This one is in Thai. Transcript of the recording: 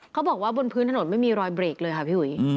บอกว่าบนพื้นถนนไม่มีรอยเบรกเลยค่ะพี่อุ๋ย